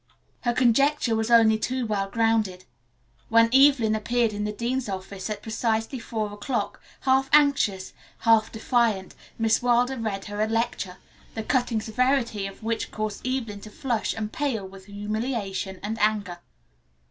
Her conjecture was only too well grounded. When Evelyn appeared in the dean's office at precisely four o'clock, half anxious, half defiant, Miss Wilder read her a lecture, the cutting severity of which caused Evelyn to flush and pale with humiliation and anger.